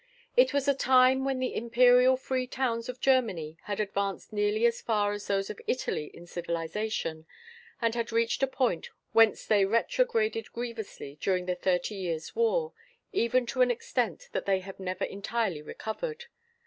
It was a time when the imperial free towns of Germany had advanced nearly as far as those of Italy in civilization, and had reached a point whence they retrograded grievously during the Thirty Years' War, even to an extent that they have never entirely recovered.